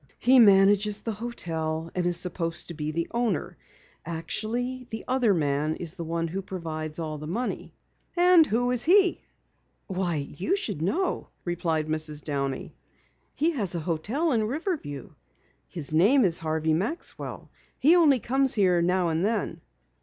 "He manages the hotel and is supposed to be the owner. Actually, the other man is the one who provides all the money." "And who is he?" "Why, you should know," replied Mrs. Downey. "He has a hotel in Riverview. His name is Harvey Maxwell. He only comes here now and then."